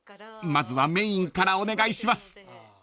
まずはメインからお願いします］